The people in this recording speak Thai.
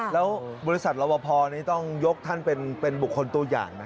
แล้วบริษัทรอบพอนี้ต้องยกท่านเป็นบุคคลตัวอย่างนะ